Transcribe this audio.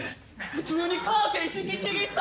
普通にカーテン引きちぎった！